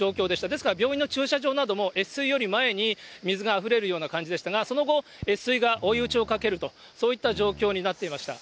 ですから病院の駐車場なども、越水より前に水があふれるような感じでしたが、その後、越水が追い打ちをかけると、そういった状況になっていました。